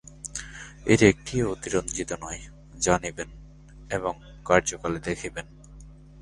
এর একটিও অতিরঞ্জিত নয় জানিবেন এবং কার্যকালে দেখিবেন।